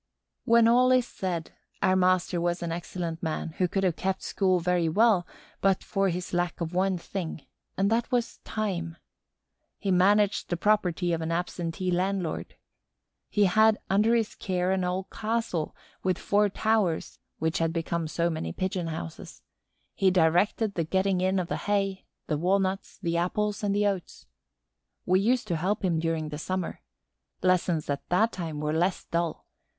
When all is said, our master was an excellent man who could have kept school very well but for his lack of one thing; and that was time. He managed the property of an absentee landlord. He had under his care an old castle with four towers, which had become so many pigeon houses; he directed the getting in of the hay, the walnuts, the apples and the oats. We used to help him during the summer. Lessons at that time were less dull.